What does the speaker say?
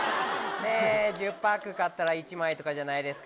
１０パック買ったら１枚とかじゃないですか。